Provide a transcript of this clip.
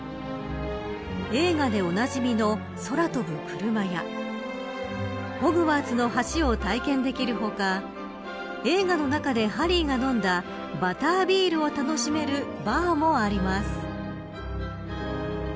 映画でおなじみの空飛ぶ車やホグワーツの橋を体験できる他映画の中で、ハリーが飲んだバタービールを楽しめるバーもあります。